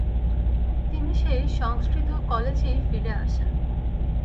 তিনি সেই সংস্কৃত কলেজেই ফিরে আসেন।